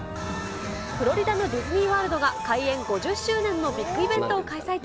フロリダのディズニーワールドが、開園５０周年のビッグイベントを開催中。